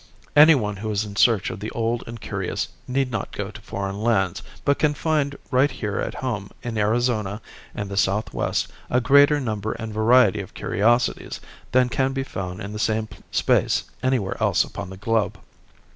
Anyone who is in search of the old and curious, need not go to foreign lands, but can find right here at home in Arizona and the southwest, a greater number and variety of curiosities than can be found in the same space anywhere else upon the globe.